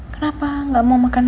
kamu nggak demam kok sayang